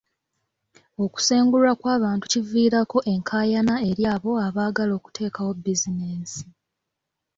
Okusengulwa kw'abantu kiviirako enkaayana eri abo abaagala okuteekawo bizinensi.